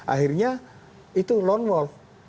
akhirnya itu lone wolf